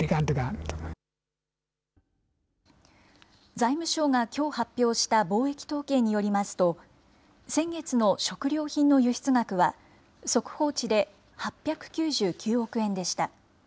財務省がきょう発表した貿易統計によりますと、先月の食料品の輸出額は速報値で８９９億円でした。